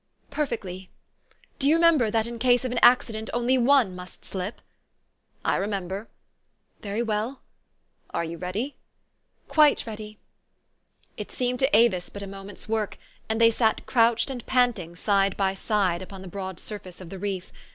"" Perfectly. Do you remember, that, in case of an accident, only one must slip? "" I remember." " Very well." " Are you ready? "" Quite ready." It seemed to Avis but a moment's work ; and they sat crouched and panting side by side upon the broad surface of the reef.